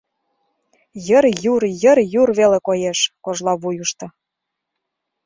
Йыр-юр, йыр-юр веле коеш — кожла вуйышто.